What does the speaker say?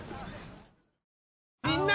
みんな！